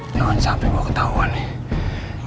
jangan sampe gue ketauan nih